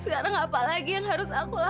sekarang apa lagi yang harus aku lakukan dita